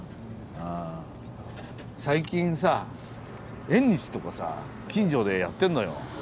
最近さ縁日とかさ近所でやってるのよ。